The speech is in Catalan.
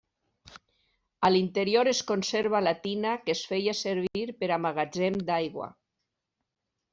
A l'interior es conserva la tina que es feia servir per a magatzem d'aigua.